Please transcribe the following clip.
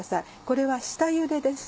これは下ゆでです。